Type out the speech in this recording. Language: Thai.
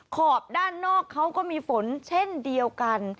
ขอบด้านนอกเขาก็มีฝนเช่นเดียวกัน